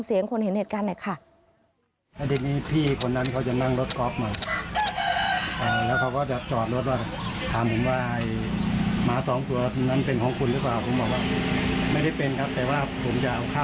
เสียงดังด้วยความเจ็บปวด